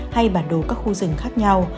hay bản đồ các khu rừng khác nhau